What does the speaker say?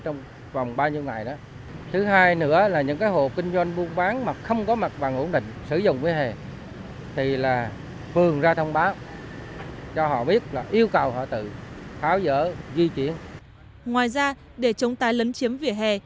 ngoài ra để chống tái lấn chiếm vỉa hè